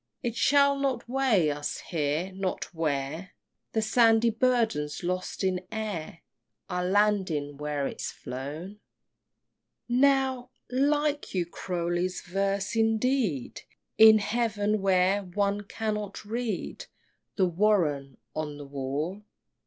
It shall not weigh us here not where The sandy burden's lost in air Our lading where is't flown? XXI. Now, like you Croly's verse indeed In heaven where one cannot read The "Warren" on a wall?